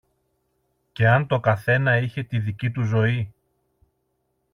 Κι αν το καθένα είχε τη δική του ζωή